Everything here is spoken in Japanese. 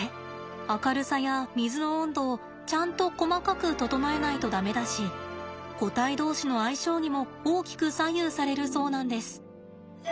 明るさや水の温度をちゃんと細かく整えないと駄目だし個体同士の相性にも大きく左右されるそうなんです。